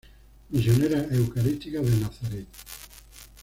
Misioneras Eucarísticas de Nazaret.